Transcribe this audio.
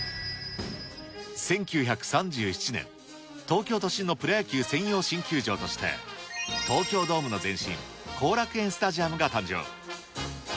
１９３７年、東京都心のプロ野球専用新球場として、東京ドームの前身、後楽園スタヂアムが誕生。